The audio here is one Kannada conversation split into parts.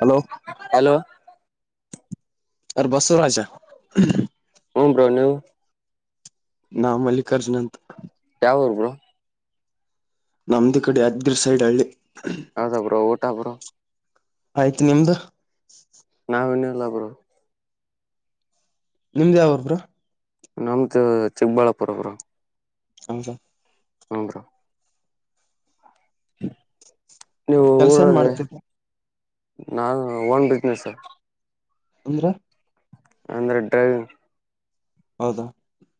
ಹಲೋ ಹಲೋ ಅವ್ರ್ ಬಸವರಾಜ ಹು ಬ್ರೋ ನೀವು. ನಾ ಮಲ್ಲಿಕಾರ್ಜುನ್ ಅಂತ ಯಾವುರ್ ಬ್ರೋ ನಮ್ದಿ ಇಕಡೆ ಯಾದ್ಗೀರ್ ಸೈಡ್ ಹಳ್ಳಿ. ಹೌದ ಬ್ರೋ ಊಟ ಬ್ರೋ ಆಯ್ತು ನಿಮ್ದು ನಾವ್ ಇನ್ನಿಲ್ಲ ಬ್ರೋ ನಿಮ್ದ ಯಾವುರ್ ಬ್ರೋ ನಮ್ದು ಚಿಕ್ಕಬಳ್ಳಾಪುರ ಬ್ರೋ ಹೌದ ಹೂ ಬ್ರೋ [unintelligible] ಕೆಲ್ಸ ಏನ್ ಮಾಡ್ತಿ ಬ್ರೋ ನಾನ್ ಓನ್ ಬಿಸ್ನೆಸ್. ಅಂದ್ರ ಅಂದ್ರೆ ಡ್ರೈವಿಂಗ್ ಹೌದ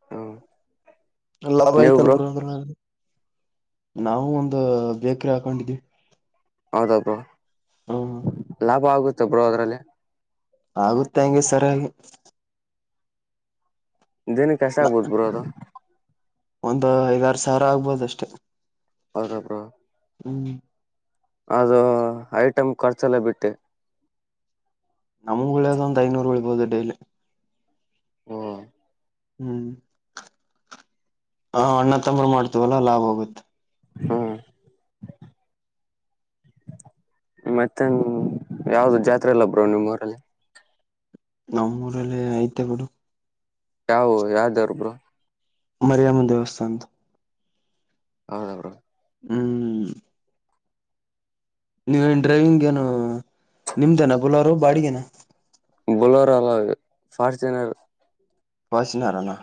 ಹ್ಮ ಇಲ್ಲ ಬೈ ಕಲ್ಬುರ್ಗಿ [unintelligible] ನಾವು ಒಂದು ಬೇಕ್ರಿ ಹಾಕೊಂಡಿದೀವಿ. ಹೌದಪ ಲಾಭ ಆಗುತ್ತೆ ಬ್ರೋ ಅದ್ರಲ್ಲಿ ಆಗುತ್ತೆ ಹಂಗೆ ಸರೆಗಿ ದಿನಕ್ಕೆಸ್ಟ್ ಆಗ್ಬೋದು ಬ್ರೋ ಅದು. ಒಂದು ಐದಾರು ಸಾವ್ರ ಆಗ್ಬೋದು ಅಷ್ಟೆ. ಹೌದ ಬ್ರೋ ಹ್ಮ್ ಅದು ಐಟಮ್ ಖರ್ಚೆಲ್ಲ ಬಿಟ್ಟಿ ನಮಗ್ ಉಳೆದ್ ಒಂದು ಐನೂರು ಉಳಿಬೋದು ಡೈಲಿ. ಓ ಹ್ಮ್ [unintelligible] ಹ ಅಣ್ಣ ತಂಬ್ರು ಮಾಡ್ತವಲ್ಲ ಲಾಭ ಆಗುತ್ತೆ. ಹ್ಮ ಮತ್ತೆ ಯಾವ್ದ್ ಜಾತ್ರೆ ಇಲ್ಲ ಬ್ರೋ ನಿಮ್ಮೂರಲ್ಲಿ ನಮ್ ಊರಲ್ಲ ಐತೆ ಬ್ರೋ ಯಾವವು ಯಾವ್ ದೇವ್ರ್ ಬ್ರೋ ಮರಿಯಮ್ಮನ್ ದೇವಸ್ಥಾನದು ಹೌದ ಬ್ರೋ ಹ್ಮ್ ನೀವ ಏನ್ ಡ್ರೈವಿಂಗ್ ಏನು ನಿಮ್ದೇನಾ ಬುಲರು ಬಾಡಿಗೆೇನ ಬುಲರ್ ಅಲ್ಲ ಅದು ಫಾರ್ಚುನರ್ ಫಾರ್ಚುನರ ನಾ.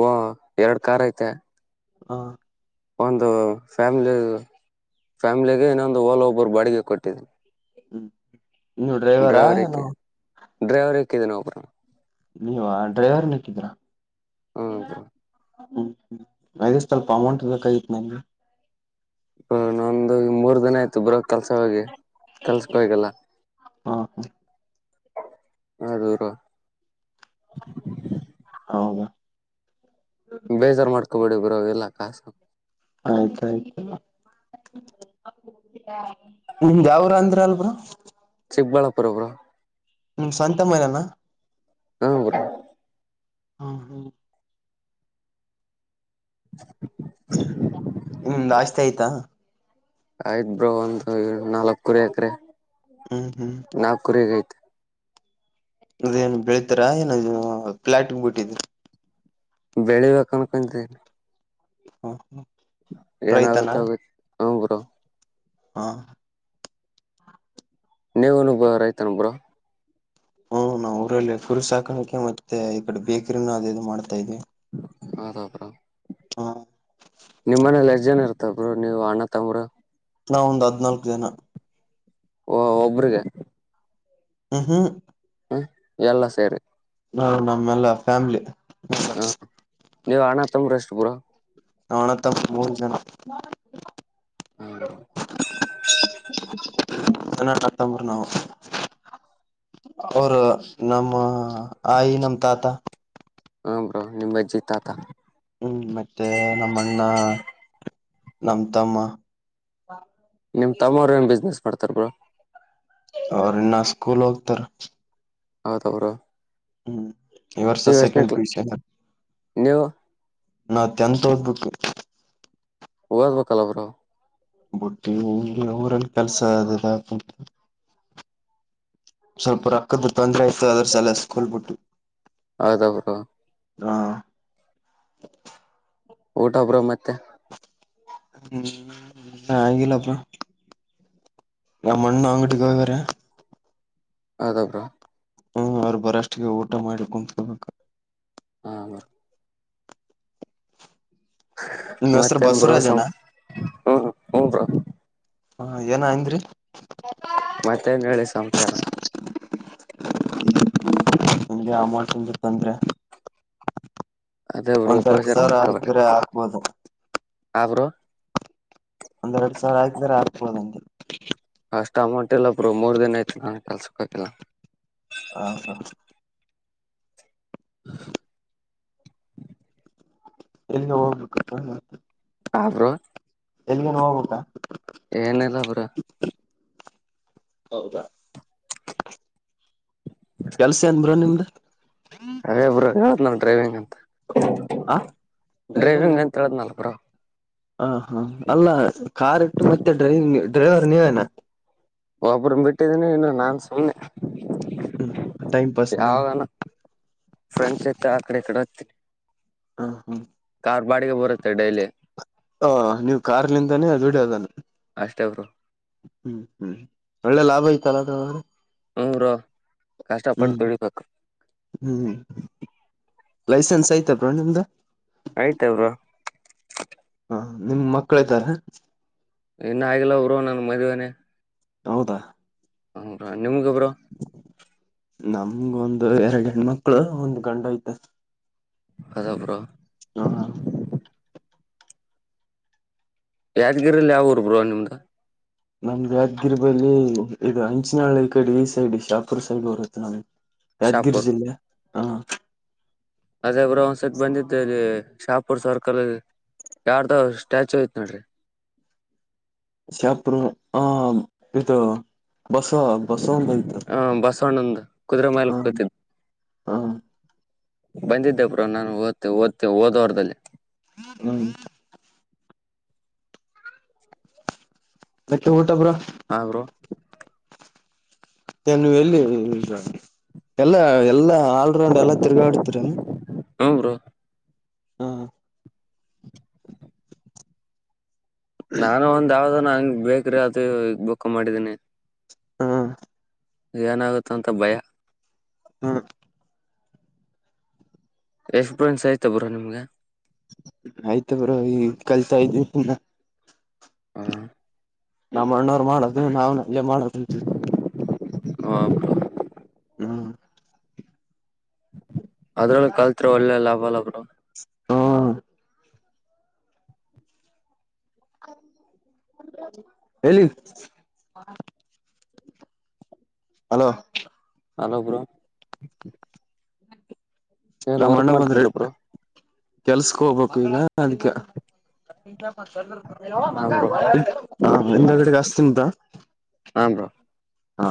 ಓಹ ಎರಡ ಕಾರ್ ಐತೆ. ಆ. ಒಂದು ಫ್ಯಾಮ್ಲಿ ಫ್ಯಾಮಿಲಿಗೆ ಇನ್ನೊಂದು ಓಲ ಒಬ್ಬರು ಬಾಡಿಗೆ ಕೊಟ್ಟಿದನಿ. ಹ್ಮ್ ನೀವು ಡ್ರೈವರಾ ಏನು. ಡ್ರೈವರರಿಗೆ ಒಬ್ಬರನಾ. ನೀವಾ ಡ್ರೈವರ್ ಹಾಕ್ಕಿದಿರಾ. ಹ್ಮ್ ಇವನಾ. ಬ್ರೋ ಹ್ಮ ಅದೇ ಸ್ವಲ್ಪ ಅಮೌಂಟ್ ಬೇಕಾಗಿತ್ತು ನಂಗೆ. ಅ ನೊಂದ ಮೂರ್. ಅದನ ಆಯ್ತು ಬ್ರೊ ಕಲ್ಸ ಹೋಗಿ ಕಲ್ಸಕೊಗಿಲ್ಲಾ. ಹಾ ಹಾ ಅದೂರಾ. ಹೌದಾ ಬೇಜಾರ್ ಮಾಡ್ಕೊಬೇಡಿ. ಬ್ರೊ ಇಲ್ಲಾ ಕಾಸ. ಆಯ್ತಯ್ತ ನಿಮ್ದ ಯಾ ಊರು ಅಂದ್ರ ಅಲ್ ಬ್ರೋ. ಚಿಕ್ಕಬಳ್ಳಾಪುರ ಬ್ರೋ. ನಿಮ ಸ್ವಂತ ಮೈನೆ ನಾ. ಹು ಬ್ರೋ. ಹಾ ಹಾ. [inaudible] ನಿಮ್ದ ಆಸ್ತಿ ಐತಾ. ಐತ್ ಬ್ರೋ ಒಂದು ನಾಲ್ಕೂರು ಎಕ್ರೆ. ಹ್ಮ್ ಹ್ಮ್ ನಾಕ್ ಕುರೆಗೆ ಅದೇಏನ್ ಬೆಳಿತಾರಾ ಏನ ಪ್ಲ್ಯಾಟ್ ಗ ಬಿಟ್ಟಿದ್ರ. ಬೆಳಿಬೇಕ ಅನ್ಕೊಂತೀನ. ಹಾ ಹಾ. ಏನಾಗುತ್ತೋ ಗೊತ್ ಹು ಬ್ರೋ. ಹಾ. ನೀವನು ಬ ರೈತನ ಬ್ರೋ. ಹ್ಮ ನಾ ಊರಲ್ಲಿ ಕುುರಿ ಸಾಕನಿಕೆ ಮತ್ತೆ ಈ ಕಡೆ ಬೇಕರಿನ ಅದು ಇದು ಮಾಡ್ತಾ ಇದೀವಿ. ಹೌದಾ ಬ್ರೊ. ಹಾ. ನಿಮ್ಮ್ ಮನೇಲಿ ಎಜ್ ಜನ ಇರ್ತಬ್ರು ನೀವ್ ಅಣ್ಣಾ ತಂಬ್ರ. ನಾವ ಒಂದ ಹದ್ನಾಲ್ಕ ಜನಾ. ಓ ಒಬ್ರಿಗೆ. ಹ್ಮ್ ಹ್ಮ್. ಹ್ಮ ಎಲ್ಲಾ ಸೆರಿ. ನಾ ನಮ್ಮೆಲ್ಲಾ ಫ್ಯಾಮ್ಲಿ. ಹಾ. ನೀವ್ ಅಣ್ಣ ತಂಬ್ರ ಎಷ್ಟು ಬ್ರೋ. ನಾವ ಅಣ್ಣ ತಮ್ಮ ಮೂರ ಜನಾ. ಹ. ಅ ಅ ತಂಬ್ರ ನಾವು ಅವರು ನಮ್ಮ ಆಯಿ ನಮ್ಮ ತಾತಾ. ಹ ಬ್ರೋ ನಿಮ್ ಅಜ್ಜಿ ತಾತಾ. ಹ್ಮ್ ಮತ್ತೆ ನಮ್ಮಣ್ಣ ನಮ್ಮ ತಮ್ಮಾ. ನಿಮ್ ತಮ್ಮೋರ ಏನ್ ಬಿಸ್ನೆಸ್ ಮಾಡ್ತಾರ್ ಬ್ರೊ ಅವರಿನ್ನಾ ಸ್ಕೂಲೋಕ್ತರ. ಹೌದ ಬ್ರೊ. ಹ್ಮ. ಇವರ್ಷ ಸೆಕೆಂಡ್ ಪಿ ಯು ಸಿ ಅಲ್ಲ. ನೀವು ನಾ ಟೆಂತ್ ಓದ ಬಿಟ್ವಿ. ಓದ್ಬೇಕಲ್ಲಾ ಬ್ರೊ. ಬುಟ್ಟಿ ಊರನ್ ಕೆಲ್ಸ ಅದಂತ ಸ್ವಲ್ಪ ರೊಕ್ಕದ ತೊಂದ್ರೆ ಆಯ ತ ಅದರ್ ಸಲೇ ಸ್ಕೂಲ್ ಬುಟ್ಟು. ಹೌದ ಬ್ರೋ ಹಾ ಊಟಾ ಬ್ರೊ ಮತ್ತೆ. ಹ್ಮ ಇನ್ನ್ ಆಗಿಲ್ಲಾ ಬ್ರೊ ನಮ್ಮಣ್ಣ ಅಂಗಡಿಗೆ ಹೋಗ್ಯಾರೆ. ಹೌದಾ ಬ್ರೊ. ಹ್ಮ ಅವರು ಬರೋಷ್ಟಿಗೆ ಊಟ ಮಾಡಿ ಕುಂತ್ಕೋಬೇಕ. ಹಾ ಬ. ನಿಮ್ ಹೆಸರು ಮತ್ತೆನ್ ಬ್ರೊ ಸಂ ಬಸವರಾಜನಾ ಹ್ಮ ಹು ಬ್ರೊ. ಹಾ ಏನ ಅಂದ್ರಿ. ಮತ್ತೇನ್ ಹೇಳಿ ಸಂಸಾರಾ. ನಮಗೆ ಅಮೌಂಟ್ ಹೇಳಿದ್ ತಂದ್ರಾ. ಅದೇ ಬ್ರೋ ಒಂದರಕ್ ಗೋಚರ್ ಸಾರ ಮಾಡ್ಕೊಬೇಕ್ರಿ ಹಕರೆ ಹಾಕ್ಬೋದು. ಆ ಬ್ರೋ ಒಂದೆರಡ್ ಸಾವಿರ ಹಾಕಿದರೆ ಆಕ್ಬೊದಂದೆ. ಅಷ್ಟ ಅಮೌಂಟ್ ಇಲ್ಲ ಬ್ರೊ ಮೂರ್ ದಿನ ಆಯ್ತು ನಾ ಕೆಲ್ಸಕ್ ಹೋಗಿಲ್ಲಾ. ಆ ಹಾ. [inaudible] ಎಲ್ಲಿಗೆ ಹೋಗ್ಬೇಕಪ್ಪಾ. ಹಾ ಬ್ರೊ. ಎಲ್ಲಿಗೇನ ಹೋಗ್ಬೇಕ ಹ ಹೌದ ಕೆಲ್ಸ ಏನ್ ಬ್ರೊ ನಿಮ್ದು ಲ ಡ್ರೈವಿಂಗ್ ಅಂತ ಹ [unintelligible] ಡ್ರೈವಿಂಗ್ ಅಂತ [unintelligible] ಹ ಹ ಅಲ್ಲ ಕಾರ್ ಇಟ್ಟು ಮತ್ತೆ ಡ್ರೈವಿಂಗ್ ಡ್ರೈವರ್ ನೀವೇನ ಒಬ್ಬ್ರ ಬಿಟ್ಟಿದೀನಿ ಇನ್ನು ನಾನ್ ಸುಮ್ಮ್ನೆ ಹ್ಮ್ ಟೈಮ್ ಪಾಸ್ ನ ಯಾವಾಗನ [unintelligible] ಫ್ರೆಂಡ್ಸ್ ಜೊತೆ ಆ ಕಡೆ ಇ ಕಡೆ ಓತ್ ಹ ಹ ಅದ್ ಬಾಡಿಗೆ ಬರುತ್ತೆ ಡೈಲಿ ಹ ನೀವು ಕಾರ್ಲಿಂದನೇ ದುಡಿದೆನ್ [unintelligible] ಅಷ್ಟೇ ಬ್ರೋ ಹ್ಮ್ ಹ್ಮ್ ಒಳ್ಳೆ ಲಾಭ ಐ ತಲೋದನ ಹೂ ಬ್ರೋ [unintelligible] ಕಷ್ಟಪಟ್ ದುಡಿಬೇಕ್ ಹ್ಮ್ ಲೈಸೆನ್ಸ್ ಐತೆ ಬ್ರೋ ನಿಮ್ದು ಐತೆ ಬ್ರೋ ಹ ನಿಮ್ಗ್ ಮಕ್ಳ ಇದರ ಇನ್ನ ಆಗಿಲ್ಲ ಬ್ರೋ ನನ್ ಮದ್ವೆೇನೆ. ಹೌದ ಹೌದ ನಿಮುಗ ಬ್ರೋ ನಮ್ಗ ಒಂದು ಎರಡ್ ಹೆಣ್ ಮಕ್ಳು ಒಂದ್ ಗಂಡು ಐತೆ. ಹೌದ ಬ್ರೋ ಹ ಯಾದ್ಗಿರಿಲ್ಲಿ ಯಾವ್ ಊರ್ ಬ್ರೋ ನಿಮ್ದು. ನಮ್ ಯಾದ್ಗೀರ್ ಬಲ್ಲಿ ಇದು ಅಂಚಿನಳ್ ಈ ಕಡೆ ಈ ಸೈಡ್ ಶಾಪುರ್ ಸೈಡ್ ಬರುತ್ತೆ ನಮ್ದ್ ಯಾದ್ಗೀರ್ ಶಾಪುರ್ ಜಿಲ್ಲೆ ಹಾ ಅದೇ ಬ್ರೋ ಒಂದ್ಸತಿ ಬಂದಿದ್ದಲ್ಲಿ ಶಾಪುರ್ ಸರ್ಕಲ್ [unintelligible] ಯಾರ್ದ ಸ್ಟ್ಯಾಚೂ ಐತ್ ನೋಡ್ರಿ. ಶಾಪರ ಹ ಇದು ಬಸ್ವ ಬಸ್ವ ಅಂತ ಐತದ ಆ ಬಸವಣ್ಣಂದು ಕುದುರೆ ಮೇಲೆ [unintelligible] ಕೂತಿದ್ ಹ ಹ ಬಂದಿದ್ದೆ ಬ್ರೋ ನಾನು ಓದ್ತೆ ಓದ್ತೆ ಓದ್ ವಾರ್ದಲ್ಲಿ. ಹ್ಮ ಮತ್ತೆ ಊಟ ಬ್ರೋ ಹ ಬ್ರೋ [unintelligible] ನು ಎಲ್ಲಿಗ ಎಲ್ಲಾ ಎಲ್ಲಾ ಆಲ್ರೌಂಡ್ ಎಲ್ಲಾ ತಿರ್ಗಾಡ್ತರನು ಹೂಮ್ ಬ್ರೋ. ಹ್ಮ ನಾನು ಒಂದ್ ಯಾವ್ದ ಬೇಕ್ರೀ ಅದು ಬುಕ್ಕಾ ಮಾಡಿದೀನಿ ಹ ಏನಾಗುತ್ತ ಅಂತ ಭಯ. ಹ್ಮ ಎಕ್ಸ್ಪೀರಿಯನ್ಸ್ ಆಯ್ತಾ ಬ್ರೋ ನಿಮ್ಗೆ. ಆಯ್ತ್ ಬ್ರೋ ಈ ಕಲ್ತಾ ಇದ್ವಿ ಪು ಹ ನಮ್ಮ್ ಅಣ್ಣೋರು ಮಾಡೋದು ನಾವು ನಂಗೆ ಮಾಡ್ಕುಂತಿವಿ. ಹ ಹ್ಮ್ [inaudible] ಅದ್ರಲ್ಲಿ ಕಲ್ತ್ ಒಳ್ಳೆ ಲಾಭ ಹಲ್ವಾ ಬ್ರೋ. ಹ್ಮ್ [inaudible] ಎಲ್ಲಿ ಹಲೋ. ಹಲೋ ಬ್ರೋ ಏನ್ ನಮ್ಮ್ ಅಣ್ಣ ವರ್ಕ್ ಬಂದ್ರೆ ಮಾಡ್ತಿದ್ರ ಬ್ರೋ ಕೆಲ್ಸಕ್ ಹೋಗ್ಬೇಕು ಈಗ. ಅದ್ಕ್ಕೆ. ಹಾ ಬ್ರೋ [unintelligible] ಹಿಂದಗಡೆ ಹಾಸತೀನಿ ತಗೋ ಹಾ ಬ್ರೋ [inaudible] ಹಾ